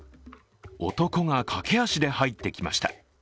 男が駆け足で入ってきました。